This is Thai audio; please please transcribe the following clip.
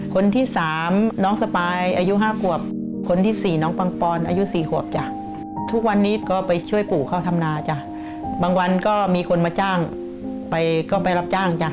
คนที่๓น้องสปายอายุ๕ขวบ